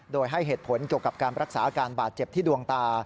โดยให้เหตุผลเกี่ยวกับการรักษาอาการบาดเจ็บที่ดวงตา